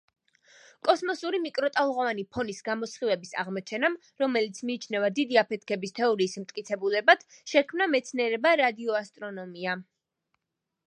კოსმოსური მიკროტალღოვანი ფონის გამოსხივების აღმოჩენამ, რომელიც მიიჩნევა დიდი აფეთქების თეორიის მტკიცებულებად შექმნა მეცნიერება რადიოასტრონომია.